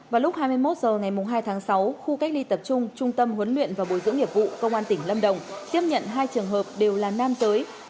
vào lúc hai mươi một h ngày hai tháng sáu khu cách ly tập trung trung tâm huấn luyện và bồi dưỡng nghiệp vụ công an tỉnh lâm đồng tiếp nhận hai trường hợp đều là nam giới